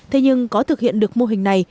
thế nhưng có thực hiện được mô hình này